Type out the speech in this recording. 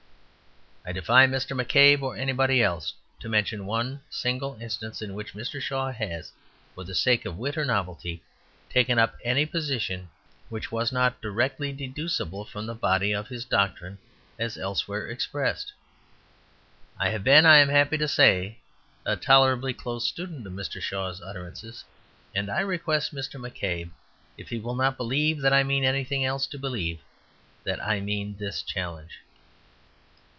I defy Mr. McCabe, or anybody else, to mention one single instance in which Mr. Shaw has, for the sake of wit or novelty, taken up any position which was not directly deducible from the body of his doctrine as elsewhere expressed. I have been, I am happy to say, a tolerably close student of Mr. Shaw's utterances, and I request Mr. McCabe, if he will not believe that I mean anything else, to believe that I mean this challenge.